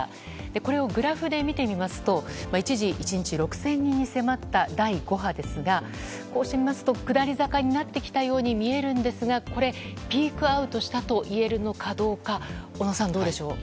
これをグラフで見てみますと一時、１日６０００人に迫った第５波ですがこうして見ますと下り坂になってきたように見えるんですがピークアウトしたといえるのかどうか小野さん、どうでしょう？